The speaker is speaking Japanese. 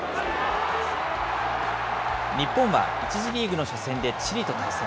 日本は１次リーグの初戦でチリと対戦。